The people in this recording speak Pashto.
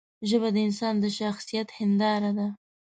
ژبه د انسان د شخصیت هنداره ده